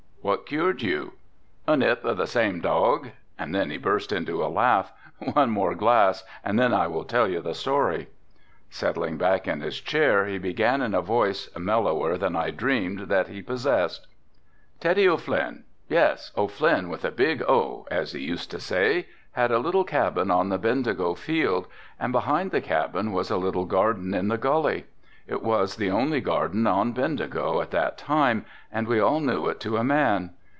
"What cured you?" "A nip of the same dog," and then he burst into a laugh. "One more glass and then I will tell you the story." Settling back in his chair, he began in a voice, mellower than I dreamed that he possessed: "Teddy O'Flynn, yes O'Flynn with a big O, as he used to say, had a little cabin on the Bendigo field, and behind the cabin was a little garden in the gully. It was the only garden on Bendigo at that time and we all knew it to a man.